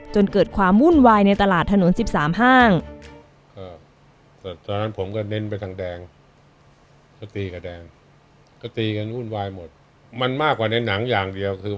จนเกิดความวุ่นวายในตลาดถนน๑๓ห้าง